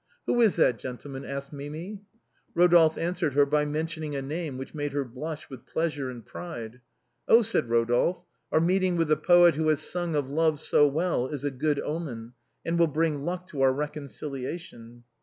" Who is that gentleman ?" asked Mimi. Eodolphe answered her by mentioning a name which made her blush with pleasure and pride. " Oh !" said Eodolphe, " our meeting with the poet who has sung of love so well is a good omen, and will bring luck to our reconciliation."